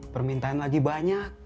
permintaan lagi banyak